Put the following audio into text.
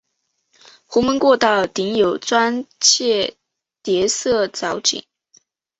壸门过道顶有砖砌叠涩藻井。